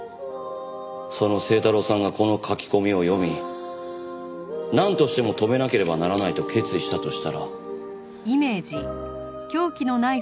その清太郎さんがこの書き込みを読みなんとしても止めなければならないと決意したとしたら。